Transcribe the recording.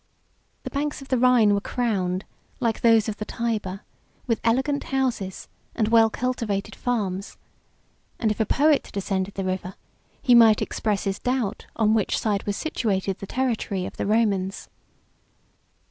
89 The banks of the Rhine were crowned, like those of the Tyber, with elegant houses, and well cultivated farms; and if a poet descended the river, he might express his doubt, on which side was situated the territory of the Romans.